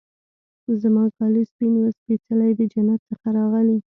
زما کالي وه سپین سپيڅلي د جنت څخه راغلي